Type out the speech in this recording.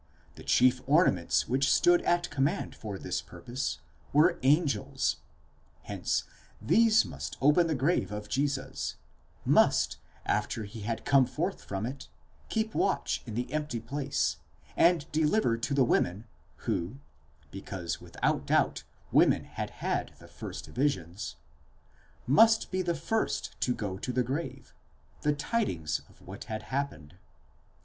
The chief ornaments which stood at command for this purpose, were angels: hence these must open the grave of Jesus, must, after he had come forth from it, keep watch in the empty place, and deliver to the women, who (because without doubt women had had the first visions) must be the first to go to the grave, the tidings of what had happened.